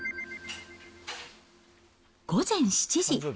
午前７時。